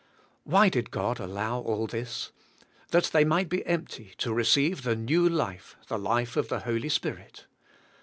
Why did God allow all this? That they might be empty to receive the new life, the life of the Holy Spirit.